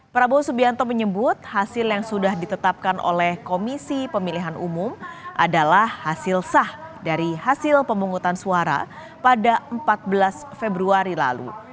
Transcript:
prabowo subianto menyebut hasil yang sudah ditetapkan oleh komisi pemilihan umum adalah hasil sah dari hasil pemungutan suara pada empat belas februari lalu